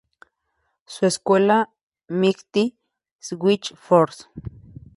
Su secuela, Mighty Switch Force!